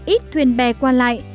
ít thuyền bè qua lại